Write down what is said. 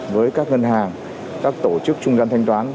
với các ngân hàng các tổ chức trung gian thanh toán